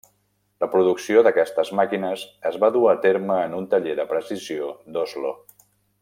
La producció d'aquestes màquines es va dur a terme en un taller de precisió d'Oslo.